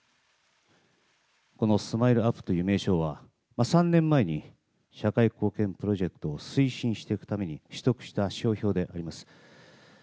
このＳＭＩＬＥーＵＰ．という名称は、３年前に社会貢献プロジェクトを推進していくために取得した商標であります。